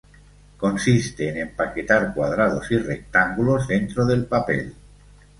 Consiste en empaquetar cuadrados y rectángulos dentro del papel.